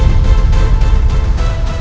aku harus mampu papa